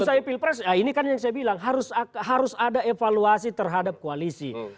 usai pilpres ini kan yang saya bilang harus ada evaluasi terhadap koalisi